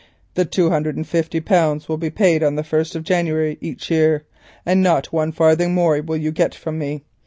"The two hundred and fifty pounds will be paid on the 1st of January in each year, and not one farthing more will you get from me.